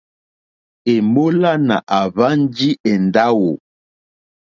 Èmólánà àhwánjì èndáwò.